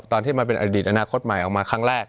ตอนที่มันเป็นอนาคตมายออกมาครั้งแรก